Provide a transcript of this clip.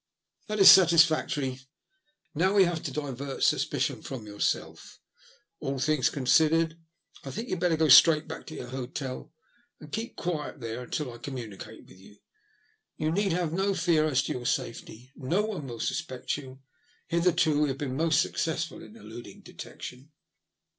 " That is satisfactory. Now we have to divert suspicion from yourself. All things considered, I think you had better go straight back to your hotel, and keep quiet there until I commu nicate with you. You need have no fear as to your safety. No one will suspect you. Hitherto we have been most successful in eluding detection."